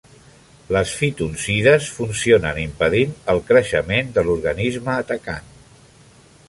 Les phytoncides funcionen impedint el creixement de l'organisme atacant.